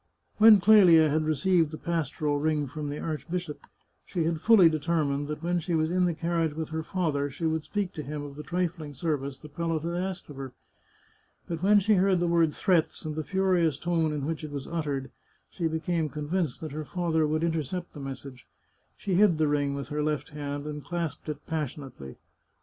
When Clelia had received the pastoral ring from the archbishop, she had fully determined that when she was in the carriage with her father she would speak to him of the trifling service the prelate had asked of her. But when she heard the word " threats," and the furious tone in which it was uttered, she became convinced that her father would in tercept the message. She hid the ring with her left hand and clasped it passionately.